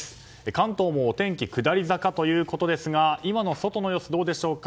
関東もお天気下り坂ということですが今の外の様子、どうでしょうか？